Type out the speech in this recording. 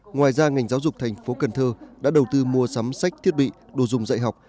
ngoài ra ngành giáo dục thành phố cần thơ đã đầu tư mua sắm sách thiết bị đồ dùng dạy học